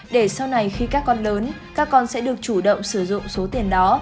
để sau này khi các con lớn các con sẽ được chủ động sử dụng số tiền đó